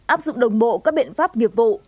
áp dụng đồng bộ các biện pháp nghiệp vụ